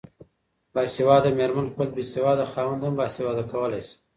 باسواده ميرمن خپل بيسواده خاوند هم باسواده کولای سي